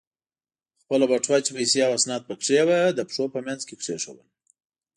خپله بټوه چې پیسې او اسناد پکې و، د پښو په منځ کې کېښوول.